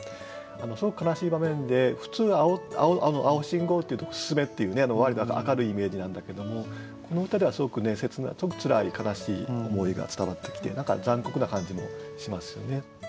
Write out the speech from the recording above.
すごく悲しい場面で普通青信号っていうと進めっていう割と明るいイメージなんだけどもこの歌ではすごく切ないすごくつらい悲しい思いが伝わってきて何か残酷な感じもしますよね。